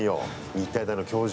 日体大の教授。